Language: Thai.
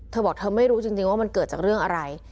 เธอบอกเธอไม่รู้จริงว่ามันเกิดจากเรื่องอะไร